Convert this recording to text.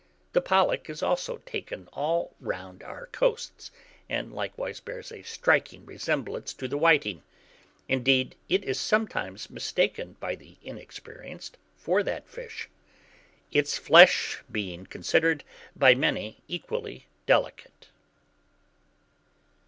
The pollack is also taken all round our coasts, and likewise bears a striking resemblance to the whiting; indeed, it is sometimes mistaken by the inexperienced for that fish; its flesh being considered by many equally delicate.